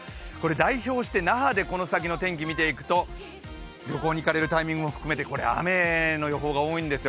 代表して、那覇でこの先の天気を見ていくと、旅行に行かれるタイミングも含めて、雨になる可能性高いんですよ。